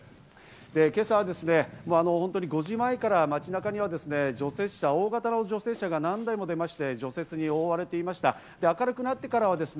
今朝は本当に５時前から街中には除雪車、大型の除雪車が何台も出まして、除雪に追われていました。